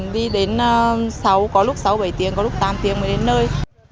đi đến sáu có lúc sáu bảy tiếng có lúc tám tiếng mới đến nơi